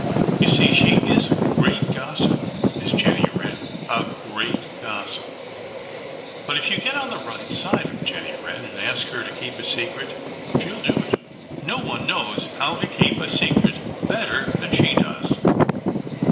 You see she is a great gossip, is Jenny Wren, a great gossip. But if you get on the right side of Jenny Wren and ask her to keep a secret, she'll do it. No one knows how to keep a secret better than she does.